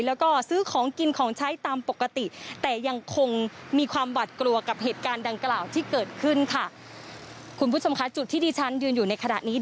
แล้วก็ซื้อของกินของใช้ตามปกติ